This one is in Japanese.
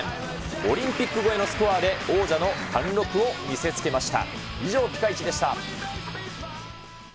オリンピック超えのスコアで、王者の貫禄を見せつけました。